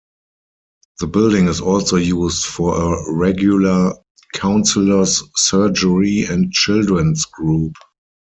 The building is also used for a regular "Councillors' Surgery" and children's group.